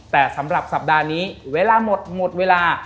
แต่สำหรับสัปดาห์นี้เวลาหมดหมดเวลา